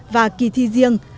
và kỳ thi riêng